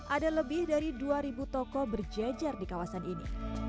ada lebih dari dua toko berjejar di kawasan ini